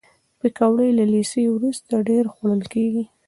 پکورې له لیسې وروسته ډېرې خوړل کېږي